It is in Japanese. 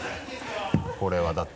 これはだって。